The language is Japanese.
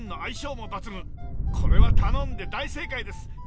これは頼んで大正解です。